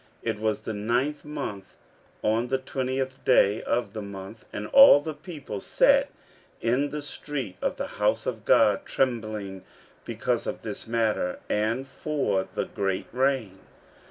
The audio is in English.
It was the ninth month, on the twentieth day of the month; and all the people sat in the street of the house of God, trembling because of this matter, and for the great rain.